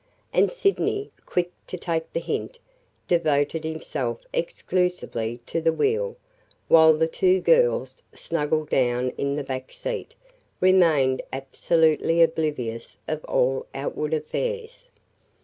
And Sydney, quick to take the hint, devoted himself exclusively to the wheel, while the two girls, snuggled down in the back seat, remained absolutely oblivious of all outward affairs.